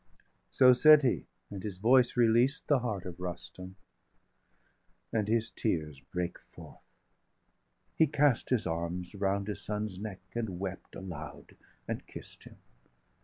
725 So said he, and his voice released the heart Of Rustum, and his tears brake forth; he cast His arms round his son's neck, and wept aloud, And kiss'd him.